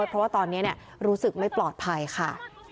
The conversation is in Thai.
เพราะว่าตอนนี้รู้สึกไม่ปลอดภัยค่ะ